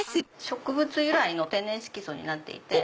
植物由来の天然色素になっていて。